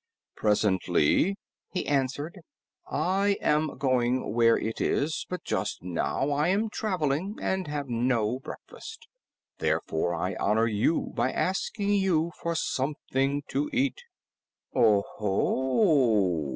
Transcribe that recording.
"Presently," he answered, "I am going where it is, but just now I am traveling and have had no breakfast. Therefore I honor you by asking you for something to eat." "Oho!